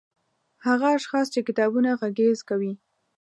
هغه اشخاص چې کتابونه غږيز کوي